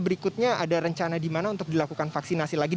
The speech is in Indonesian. berikutnya ada rencana di mana untuk dilakukan vaksinasi lagi